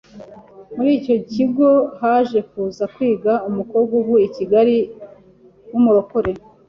Muri icyo kigo haje kuza kwiga umukobwa uvuye i Kigali w’umurokore